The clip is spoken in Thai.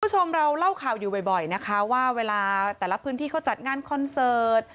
คุณผู้ชมเราเล่าข่าวอยู่บ่อยนะคะว่าเวลาแต่ละพื้นที่เขาจัดงานคอนเสิร์ต